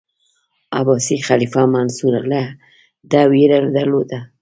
عباسي خلیفه منصور له ده ویره درلوده.